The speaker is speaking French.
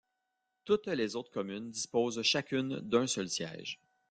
Toutes les autres communes disposent chacune d'un seul siège.